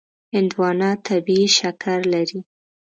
هندوانه طبیعي شکر لري.